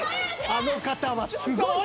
あの方はすごい。